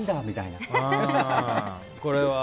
みたいな。